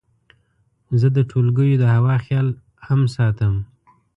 زه د ټولګیو د هوا خیال هم ساتم.